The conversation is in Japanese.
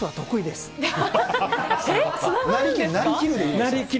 なりきる？